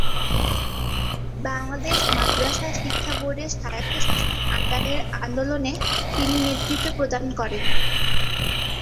বাংলাদেশ মাদ্রাসা শিক্ষা বোর্ডের স্বায়ত্তশাসন আদায়ের আন্দোলনে তিনি নেতৃত্ব প্রদান করেন।